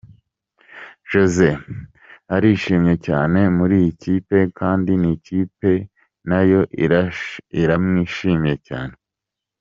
"Jose arishimye cyane muri iyi kipe kandi n'ikipe nayo iramwishimiye cyane.